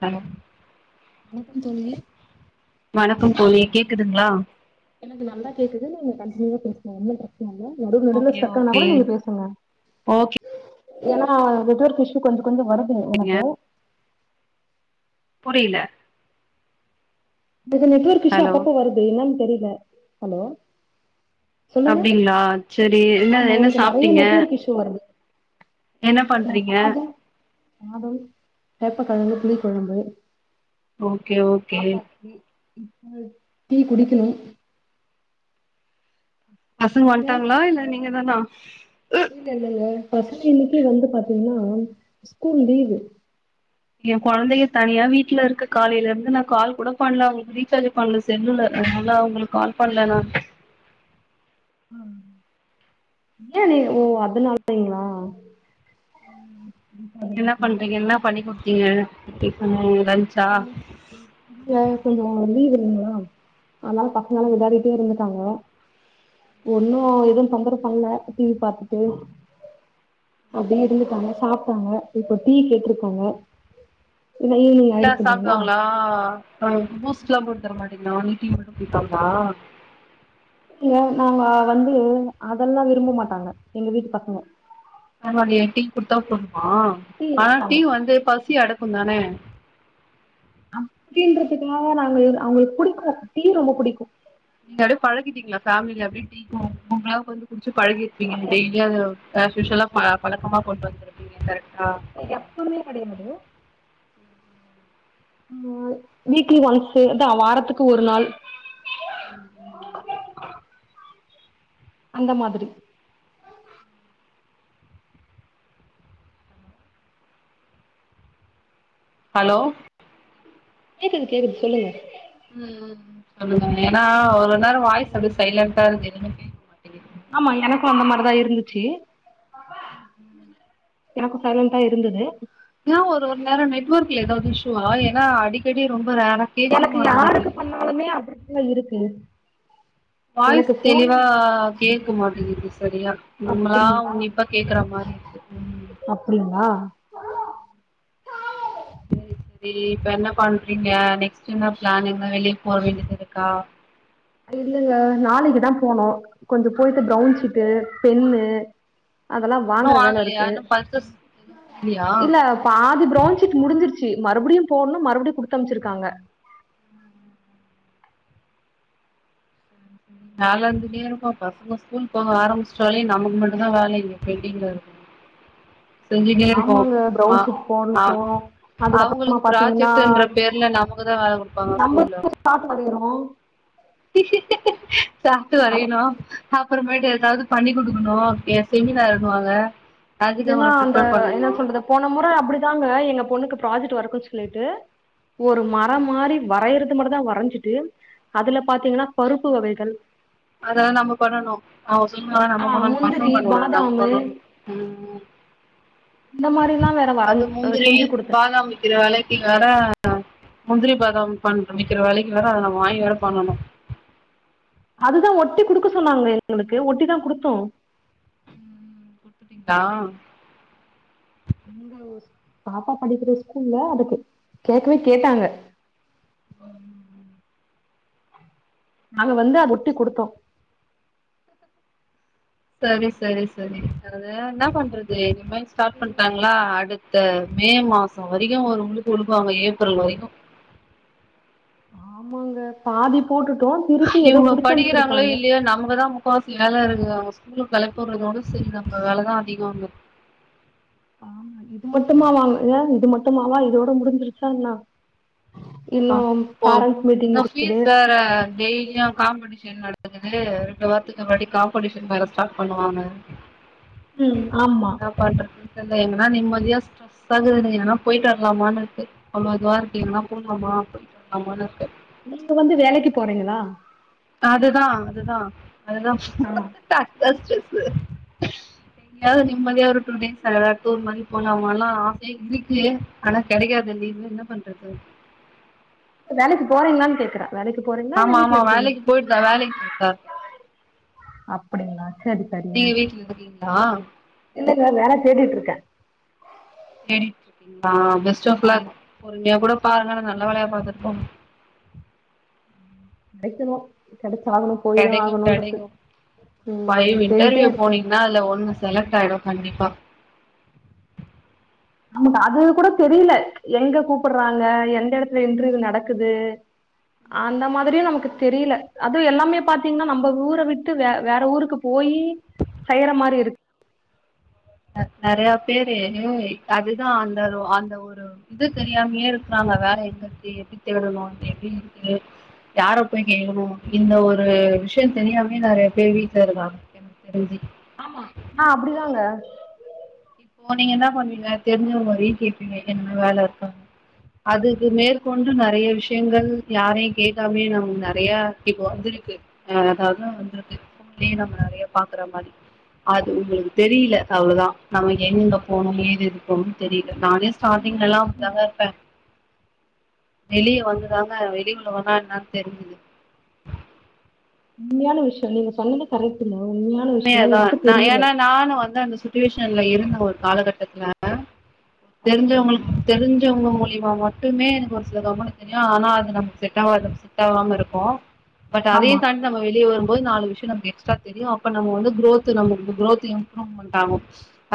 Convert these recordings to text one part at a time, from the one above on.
Hello வணக்கம் தோழி வணக்கம் தோழி கேக்குதுங்களா? எனக்கு நல்லா கேக்குது நீங்க கன்டினியூவா பேசலா ஒண்ணும் பிரச் சன இல்ல. நடுவுல நடுவுல ஓகே ஸ்ட்ரக் ஆனா ஓகே கூட நீங்க பேசுங்க. ஓகே ஏன்னா நெட்ஒர்க் இஸ்ஸு கொஞ்ச கொஞ்ச வரும் சேரி உனக்கு புரியல இது நெட்ஒர்க் இஸ்ஸு ஹலோ அப்ப அப்ப வருது என்னனு தெரிய ல ஹலோ சொல்லுங்க அப்டிங்களா சேரி என்ன ஆமா என்ன எனக்கு நெறைய சாப்பிட்டீங்க நெட்வொர்க் இஷ்யூ வருது என்ன பண்றீங்க காத [inaudible] சேப்ப கிழங்கு புலிகுழம்பு ஓகே ஓகே இப்ப டீ குடிக்கணும் பசங்க வட்டாங்களா இல்ல நீங்க தான இல்ல இல்லங்க பசங்க இனைக்கு வந்து பாத்து எபின்னா [unintelligible] ஸ்கூல் லீவு என் குழந்தய தனியா வீட்டுல இருக்கு காலையில இருந்து நான் கால் கூட பண்ணல அவங்களுக்கு ரீசார்ஜ் பண்ணல செல்லுல அதனால அவங்களுக்கு கால் பண்ணல நா ஏன் நீ ஓ அதுனால [inaudible] வீங்களா இ நீங்க என்ன பண்றீங்க என்ன பண்ணி கொடுத்தீங்க இட் [unintelligible] கொஞ்ச ஆ லீவ் [inaudible] ங்களா ஆலா [unintelligible] ஒன்னும் எதுவும் தொந்தரவு பண்ல டி வி பார்த்துட்டு அப்டே இருந்துட்டாங்க சாப்பிட்டாங்க இப்ப டீ கேட்டிருக்காங்க டீலா சாப்பிடுவாங்களா பூஸ்ட்லாம் தரமாட்டிங்களா ஒன்லி டீ மட்டும் குடிப்பாங்களா ஏ நாங்க வந்து அதெல்லா விரும்ப மாட்டாங்க எங்க வீட்டு பசங்க ஆமாடி டீ கொடுத்தா போ ஆஹ் ஆனா டீ வந்து பசி அடக் க்கும்தானே அப்படின்றதுக்காக நாங்க அவங்களுக்கு புடிக்கும் டீ ரொம்ப புடிக்கும் ஃபமில அப்டி உங்களாவுக்கு [unintelligible] வந்து குச்சி பழகிருப்பீங்க எப் டெய்லியா ஹாஸ்யுஷ்ஸல பழக்கமா கொண்டு வந்துருப்பீங்க எப்பமே கெடயாது ஓ ஹ வீக்லி ஒன்ஸ் அதா வாரத்துக்கு ஒரு நாள் உம் உம் [inaudible] அந்த மாதிரி ஹலோ கேக்குது கேக்குது சொல்லுங்க உம் உம் நாம ஏனா ஒவ்வொரு நேரம் வாய்ஸ் அப்டி சைலண்டா இருந்தங்க ஆமா எனக் அந்த மாரிதா இருந்துச்சி எனக்கும் சைலன்டா இருந்தது ஏன் ஒரு ஒரு நேரம் நெட்வொர்க்ல ஏதாவது இஷ்யுவா ஏன்னா அடிக்கடி ரொம் எனகு யாருக்கு பண்ணாலுமே அப்டி இல்ல இருக்கு வாய்ஸ் எனக்கு ஃபோன் தெளிவா கேக் க்கு மாட்டிகிது சரியா நம்மளா அப்படிங்களா உன்னிப்பா கேக்குற மாரி இருக்கு ம் அப்படிங்களா ரி இப்ப என்ன பண்றீங்க நெக்ஸ்ட் என்ன பிளான் எங்கனா வெளிய போ வேண்டியதிருக்கா இல்லங்க நாளைக்குதா போனோ கொஞ்சம் போயிட்டு ப்ரவுன்ஷீட்டு பென்னு அதெல்லா இன்னு வாங்ற வேல வாங்கலையா இருக்கு இன்னு பர்ச்சேஸ் எதுவு முடியலையா இல்ல பாதி ப்ரௌன் ஷீட் முடிஞ்சிருச்சி மறுபடியும் போடணும் மறுபடியும் குடுத்தம்ச்சிருக்காங்க வேல இருந்துட்டே இருக்கும் பசங்க ஸ்கூல் போக ஆரம்பிச்ட்டாலே நமக்கு மட்டும் தா வேல இங்க பெண்டிங்ல இருக் ஆமாங்க ப்ரௌன் சீட் ஆ போட்ணும் அதுக்கப்புறமா அவங்களுக்கு பாத்தீங்கன்னா ப்ராஜெக்ட்ன்ற பேர்ல நமக்குதா வேல குடுப்பாங்க நம்ம ஸ்கூல்ல சாப்பாடு வேணும் இ ஹே... [unintelligible] அப்றமேட்டு ஏதாவது பண்ணி குடுக்கனோ [unintelligible] மா இல்லனா அந்த ப்ரிப்பேர் என்ன பண்ணணு சொல்றது போன முற அப்டிதாங்க எங்க பொண்ணுக்கு ப்ராஜெக்ட் ஒர்க்குன்னு சொல்லிட்டு ஒரு மரம் மாரி வரையறது மட்டுதா வரஞ்சிட்டு அதுல பாத்தீங்கன்னா பருப்பு வகைகள் அதெல்லா நம்ம பண்ணணு அவன் சொல்வா ஆ நம்ம பண்ணணு பசங்க முந்திரி பண்ண கூடாது நம்ம பாதாமு பண்ணணு ம் இந்த மாரில்லா வேற அது வரஞ் அ முந்திரி செஞ்சு குடுத்தே பாதாம் விக்கிற வெலைக்கு [unintelligible] முந்திரி பாதம் பண் விக்கிற வெலைக்கு வேற அத நம்ம வாங்கி வேற பண்ணணு அதுதா ஒட்டி குடுக்க சொன்னாங்க எங்களுக்கு ஒட்டிதா குடுத்தோ அப்டிங்ளா எங்க பாப்பா படிக்கிற ஸ்கூல்ல அதுக்கு கேக்கவே கேட்டாங்க உம் உம் நாங்க வந்து அது ஒட்டி குடுத்தோ சரி சரி சரி அத இன்ன பண்றது இனிமே ஸ்டார்ட் பண்ட்டாங்ளா அடுத்த மே மாசோ வரைக்கோ ஒரு உளுக்கு உளுக்குவாங்கோ ஏப்ரல் வரைக்கோ து பாதி போட்டுட்டோ திருப்பி ஏதோ இவுங்க குடுத்து படிக்கிறாங்ளோ அனுப்ச்சிருக்காங்க இல்லியோ நமக்குதா முக்காவா சி வேல இருக்குங்க அவுங்க ஸ்கூலுக்கு கெளம்பி போறதோட சரி நம்ம வேலதா அதிகோங்க ஆமா இது மட்டுமாவாங்க இது மட்டுமாவா இதோட முடிஞ்சிருச்சா என்னா? அ ப்போ ஆ ஃபீஸ் வேற டெய்லியு காம்படீஷன் நட க்குது ரெண்டு வாரத்துக்கு முன்னாடி காம்படீஷன் வேற ஸ்டார்ட் பண்ணுவாங்க. ம் ஆமா [unintelligible] எங்கனா நிம்மதியா ஸ்ட்ரெஸ்ஸா இருக்குது எங்கனா போய்ட்டு வரலாமான்னு இருக்கு அவ்ளோ இதுவா இருக்கு எங்கனா போ ஆமா அப்டிதா [unintelligible] இருக்கு நீங்க வந்து வேலைக்கு போறீங்களா? அதுதா அதுதா அதுதா ஆமா [unintelligible] எங்கேயாவது நிம்மதியா ஒரு டூ டேஸ் எதாது டூர் மாரி போலாமானு ஆச இருக்கு ஆனா கெடைக்காது லீவு என்ன பண்றது? வேலைக்கி போறீங்களானு கேக்கறே. ஆமா ஆமா வேலைக்கு போயிட்டுதா வேலைக்கு போயிட்டுதா இருக்கே. அப்படிங்களா சரி சரிங்க நீங்க வீட்ல இருக்கீங்ளா? இல்ல வேல தேடிட்டு இருக்கே. தேடிட்ருக்கீங்ளா? பெஸ்ட் ஆஃப் லக் ஆமா பொறுமையா கூட பாக்கறது நல்ல வேலையா பாத்துட்டு போங்க. கெடைக்கணு கெடச்சாகணு போய் தா கெடைக்கு ஆகணுன்ருக்கு கெடைக்கு ம் ஃபைவ் தேடிட்டே இன்டர்வியூ இருக்க போனீங்னா அதுல ஒண்ணு செலக்ட் ஆயிடு கண்டிப்பா. நமக்கு அது கூட தெரியல. எங்க கூப்பட்றாங்க எந்த எடத்துல இன்ட்ருவியூ நடக்குது அந்த மாதிரியு நமக்கு தெரியல அதுவு எல்லாமே பாத்தீங்கனா நம்ப ஊர விட்டு வே வேற ஊருக்கு போயி செய்யற மாரி இருக் நெறையா பேரு அதுதா அந்த அந்த ஒரு இது தெரியாமயே இருக்கறாங்க. வேல எங்க இருக்கு எப்டி தேடனு அது எங்க இருக்கு யார போய் கேக்கனுஇந்த ஒரு விஷயோ தெரியாமமே நெறைய பேர் வீட்ல இருக்காங்க எனக்கு தெரிஞ்சு. ஆமா நா அப்டிதாங்க. இப்போ நீங்க என்னா பண்ணுவீங்க தெரிஞ்சவங்க வரையு கேப்பீங்க எங்கனா வேல இருக்கான்னு அதுக்கு மேற்கொண்டு நெறைய விஷயங்கள் யாரையு கேக்காமயே நம்ம நெறைய இப்ப வந்துருக்கு ஆ அதாவது வந்துருக்கு ஃபோன்லயே நம்ம நெறைய பாக்குற மாரி அது உங்களுக்கு தெரியல அவ்ளோதா நமக்கு எங்க போணு ஏது இருக்கணு தெரியல நானே உண்மையான ஸ்டார்டிங்லலா விஷயங்க அப்டிதாங்க இருப்பே. வெளிய வந்துதாங்க வெளி உலகன்னா என்னான்னு தெரிஞ்சுது. உண்மையான விஷயோ நீங்க சொன்னது கரெக்ட்டுங்க. உண்மையான விஷயோ உண்மையாதா எனக்கு நா தெரியல ஏன்னா நானு வந்து அந்த சு ச்சுவேஷன்ல இருந்தே ஒரு காலகட்டத்துல ஆமா தெரிஞ்சவங்களுக்கு தெரிஞ்சவங்க மூலியமா ம ட்டுமே எனக்கு ஒரு சில [unintelligible] தெரியு ஆனா அது நமக்கு செட்டா‌வாது செட்டாவாம இருக்கு பட் அதையு ஆமா தாண்டி நம்ம வெளிய போ ய் நாலு விஷயோ நமக்கு எக்ஸ்ட்ரா தெரியு அப் ப நம்ம வந்து குரோத்து நம்ம குரோத்து இம்ப்ரூவ்மெண்ட் ஆகு.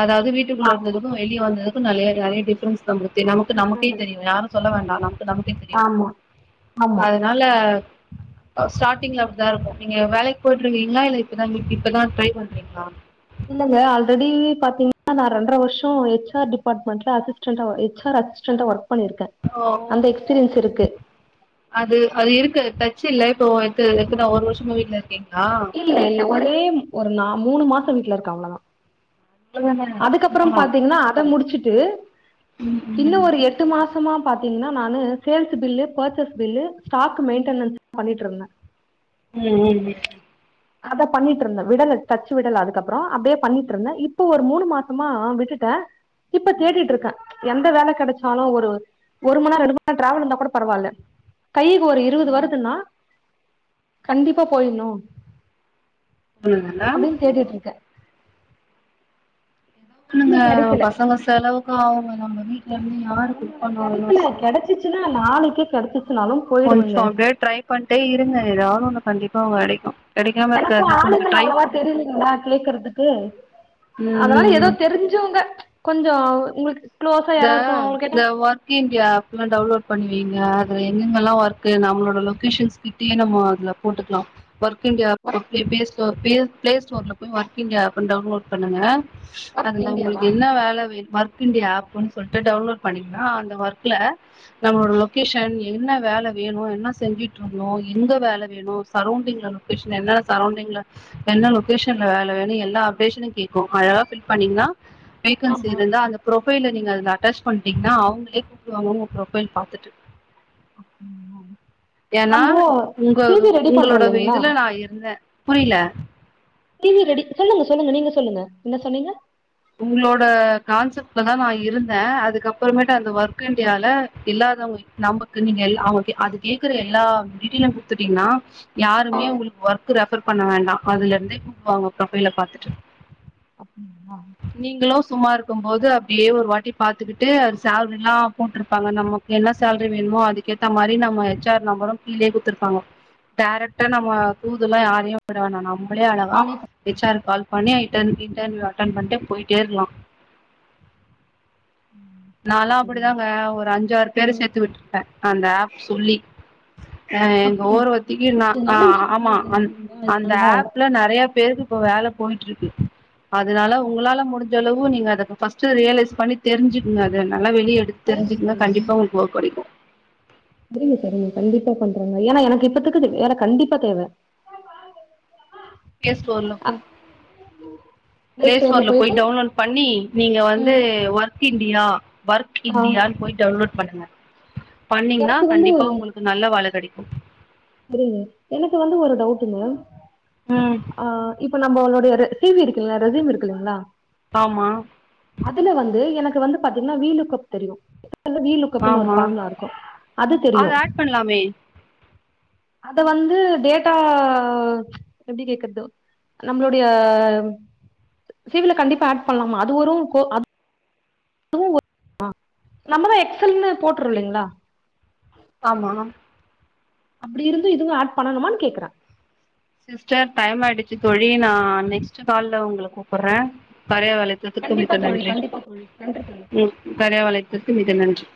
அதாவது வீட்டுக்குள்ள ஆமா இருந்ததுக்கு வெளியே வந்தது க்கு நெலய நெறய டிஃபரன்ஸ் நம்ப்ளுக்கு நமக்கு நமக்கே டிஃப்ரெண்ட் தெரியு யாரு சொல்ல வேண்டா நமக் கு நமக்கே தெரியு ஆமா ஆமா அதனால ஸ்டார்ட் டிங்ல அப்டிதா இருக்கு நீங்க வேலைக்கி போயிட்ருக்கீங்ளா இல்ல இப்பதா [unintelligible] இப்பதா ட்ரை பண்றீங்ளா? இல்லங்க ஆல்ரெடி பாத்தீங்னா நான் ரெண்ர வருஷோ ஹெச் ஆர் டிபார்ட்மெண்ட்ல அசிஸ்டண்டா ஒ ஹெச் ஆர் அசிஸ்டன்டா ஒர்க் பண்ணிருக்கே ஓ அந்த எக்ஸ்பீரியன்ஸ் இருக்கு அது அது இருக்கு டச் இல்ல இப்போ எத்த எத்தன ஒரு வருஷமா வீட்ல இருக்கீங் இல்ல இல்ல ஒரே ஒரு நா மூணு மா சோ வீட்ல இருக்கே அவ்ளவுதா அவ்ளோதான போலாம் அதுக்கப்றம் போலாம் பாத்தீங்னா அத முடிச்சுட்டு ம் இன்னு ம் ஒரு எட்டு மாசமா பாத்தீங்னா நானு sales bill purchase bill stock maintenance பண்ணிட்ருந்தே. ம் ம் அதா பண்ணிட்ருந்தே விடல டச்சு விடல அதுக்கப்றோ அப்டியே பண்ணிட்டுருந்தே இப்போ ஒரு மூணு மாசமா விட்டுட்டே இப்ப ம் கேட்டுட்ருக்கே எந் த வேல கெடைச்சாலு ஒரு ஒரு மணி நேரோ ரெண்டு மணி நேரோ டிராவல் இருந்தா கூட பரவால்ல கைக்கு ஒரு இருபது ம் வருதுன்னா கண்டிப்பா போயிட்ணு பண்ணுங்கல்ல அப்டினு தேடிட்ருக்கே இல்லங்க இன்னு கெடைக்கல பசங்க செலவுக்கு ஆவுங்க நம்ம வீ ஆமாங்க கெடைக்கல கெடைச்சிச்சுன்னா நாளைக்கே கெடைச்சிச் கொஞ்சோ அப்டியே ட்ரை பண்ட்டே இருங்க ஏதாவது ஒன்னு கண்டிப்பா உங்க கெடைக்கு எனக்கு ஆளுங்கள அவ்ளவா தெரியிலிங்களா கேக்கறதுக்கு ம் அதனால ம் எதோ ம் தெரிஞ்சவங்க கொஞ்சோ உங்ளுக்கு இந்த இந்த ஒர்க் இண்டியா ஆப்லா டவுன்லோட் பண்ணி வைங்க அதுல எங்கெங்கெல்லா ஒர்க்கு நம்மளோட லொகேஷன்ஸ் கிட்டயே நம்ம அதுல போட்டுக்லா ஒர்க் இண்டியா ப்ப ப்ளி பிளே ஸ்டோர் ப்ளே ப்ளே ஸ்டோர்ல போய் ஒர்க் இண்டியா ஆப்னு டவுன்லோட் பண்ணுங்க. அதுல உங்களுக்கு என்ன வேல வேணு ஒர்க் இண்டியா ஆப் புன்னு சொல்ட்டு டவுன்லோட் பண்ணீங்னா அந்த ஒர்க்ல நம்மளோட லொக்கேஷன் என்ன வேல வேணு என்ன செஞ்சுட்டுருந்தோ எங்க வேல வேணு சரௌண்டிங்ல லொக்கேஷன் என்ன சரௌண்டிங்ல என்ன லொக்கேஷன்ல வேல வேணு எல்லா அப்டேஷனு கேக்கு அதல்லா ஃபில் பண்ணிங்னா வேகன்சி இருந்தா அந்த ப்ரொ ஃபைலு நீங்க அதுல அட்டாச் பண்ட்டீங்ன்னா அவங்களே கூப்டுவாங்க உங்க ப்ரொஃபைல் பாத்துட்டு. ம் ஏன்னா உங்க பண்றோ உங்களோட இல்லைங்களா இதுல நா இருந்தன் புரியில டிவி ரெடி சொல்லுங்க சொல்லுங்க நீங்க சொல்லுங்க என்ன சொன்னீங்க உங்களோட கான்செப்ட்லதா நா இருந்தேன் அதுக்கப்புறமேட்டு அந்த ஒர்க் இண்டியால எல்லாதவங்க நமக்கு நீங்க அவங்க அது கேக்குற எல்லா மெட்டீரியலும் குடுத்துட்டீங்கன்னா யாருமே உங்களுக்கு ஒர்க் ரெஃபர் பண்ண வேண்டா அதுல இருந்து கூப்டுவாங்க ப்ரொபைல பாத்துட்டு ஆ நீங்களும் சும்மா இருக்கும்போது அப்டியே ஒரு வாட்டி பாத்துக்கிட்டு அது சேல்ரிலாம் போட்ருப்பாங்க நமக்கு என்ன சேல்ரி வேணுமோ அதுக்கேத்த மாரி நம்ம ஹெச் ஆர் நம்பரும் கீழேயே குடுத்துருப்பாங்க டேரெக்ட்டா நம்ம தூதுல்லா யாரையும் விட வேணா நாமும் நம்மளே அழகா ஹெச் ஆர் கால் [unintelligible] அட்டன் பண்டு போயிட்டே இருக்கலா நா எல்லா அப்டிதாங்க ஒரு அஞ்சாறு பேர் சேர்த்து விட்டு இருப்பன் அந்த ஆப் சொல்லி அ எங்க ஓரவத்திக்கு நா அ ஆமா அந் அந்த ஆப்ல நிறைய பேருக்கு இப்ப வேலை போயிட்டு இருக்கு அதனால உங்களால முடிஞ்ச அளவு ஒ நீங்க அதுக்கு ஃபர்ஸ்ட் ரியலலைஸ் பண்ணி தெரிஞ்சு இன் அதே நா ஆனா வெளிய எடுத்து சரிங்க தெரிஞ்சுக்குன்னா கண்டிப்பா உங்களுக்கு ஒர்க் கடைக்கும் சேரிங்க சேரிங்க கண்டிப்பா பண்ரோங்க ஏன்னா எனக்கு இப்பத்துக்கு வேலை கண்டிப்பா தேவை ப்ளே ஸ்டோர்ல ஓப்பன் பிளே ப்ளே ஸ்டோர்ல போய் போயிட்டு டவுன்லோட் பண்ணி நீங்க வந்து ஒர் கிண்டியா ஒர்க் ஆ இந்திய போய் டவுன்லோட் பண்ணுங்க பண்ணீங்கன்னா எனக்கு கண்டிப்பா உங்களுக்கு நல்ல வேலை கடைக்கும் [inaudible] புரியுது எனக்கு வந்து ஒரு டவுட்டுங்க ம் அ இப்ப நம்மளோட ரெ சி வி இருக்குல்ல ரெஸ்யூம் இருக்கு இல்லைங்களா ஆமா அதுல வந்து எனக் வந்து பாத்தீங்கன்னா வீ லுக்கப் தெரியும் அதுல வீ லூக்கப்னு ஒரு ஆமா ஃபார்முலா இருக்கும் அது அத தெரியும் ஆட் பண்லாமே அத வந்து டேட்டா எப்டி கேக்குறது நம்மளுடைய சி வில கண்டிப்பா ஆட் பண்ணலாமா அது ஒரு கோ அதுவும் நம்மதான் எக்ஸெல்னு போட்டுறோம் இல்லங்களா ஆமா அப்டி இருந்து இதுவு ஆட் பண்ணணுமான்னு கேக்குறே சிஸ்டர் டைம் ஆயிடுச்சு தோழி நா நெக்ஸ்ட் கால்ல உங்கள கூப்பிடுறே கார்யாவ அழைத் ததுக்கு மிக்க நன்றி ம் கார்யாவ அழைத்தது க்கு மிக நன்றி